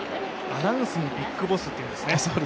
アナウンスも「ＢＩＧＢＯＳＳ」と言うんですね。